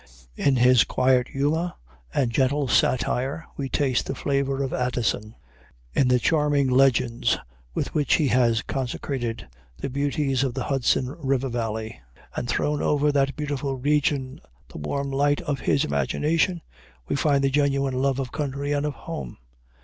In his quiet humor and gentle satire, we taste the flavor of Addison. In the charming legends with which he has consecrated the beauties of the Hudson River valley, and thrown over that beautiful region the warm light of his imagination, we find the genuine love of country and of home.